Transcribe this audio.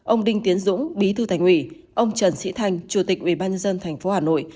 ông đinh tiến dũng bí thư thành ủy ông trần sĩ thanh chủ tịch ubnd tp hà nội